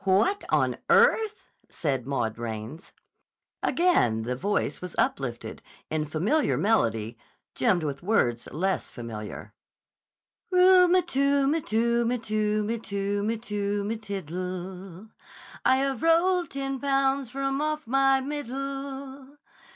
"What on earth!" said Maud Raines. Again the voice was uplifted, in familiar melody, gemmed with words less familiar: "Ru m tu m tu m tu m tu m tu m tiddle, I have rolled ten pounds from off my middle.